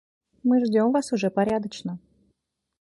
Мы ждём вас уже порядочно.